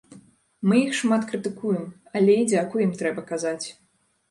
Мы іх шмат крытыкуем, але і дзякуй ім трэба казаць.